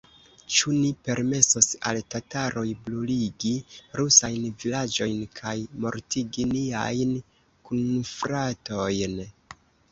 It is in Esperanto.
Ĉu ni permesos al tataroj bruligi rusajn vilaĝojn kaj mortigi niajn kunfratojn?